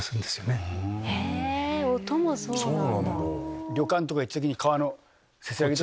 音もそうなんだ。